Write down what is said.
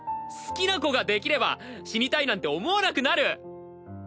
好きな子ができれば死にたいなんて思わなくなる！